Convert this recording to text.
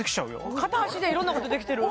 片足でいろんなことできてる！